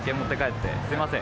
すみません。